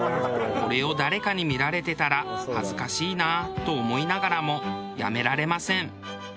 これを誰かに見られてたら恥ずかしいなと思いながらもやめられません。